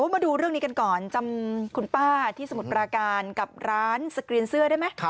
มาดูเรื่องนี้กันก่อนจำคุณป้าที่สมุทรปราการกับร้านสกรีนเสื้อได้ไหม